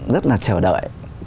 rất là chờ đợi